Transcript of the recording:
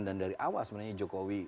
dan dari awal sebenarnya jokowi